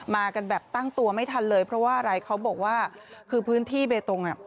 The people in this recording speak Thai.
กันแบบตั้งตัวไม่ทันเลยเพราะว่าอะไรเขาบอกว่าคือพื้นที่เบตงอ่ะ